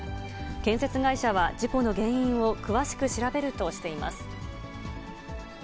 建設会社は事故の原因を詳しく調べるとしています。